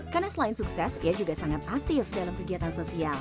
karena selain sukses ia juga sangat aktif dalam kegiatan sosial